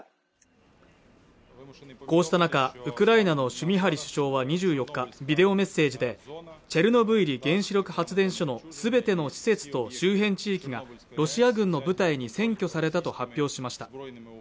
こうした中ウクライナのシュミハリ首相は２４日ビデオメッセージでチェルノブイリ原子力発電所のすべての施設と周辺地域のロシア軍の部隊に占拠されたと発表しました